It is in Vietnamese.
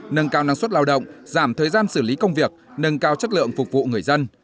nâng cao năng suất lao động giảm thời gian xử lý công việc nâng cao chất lượng phục vụ người dân